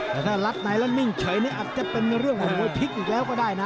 แต่ถ้าล็อตไนน์มิ้งเฉยนี้อาจจะเป็นเรื่องถึงโบไวเมทย์พลิกอีกแล้วก็ได้นะ